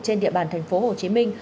trên địa bàn tp hcm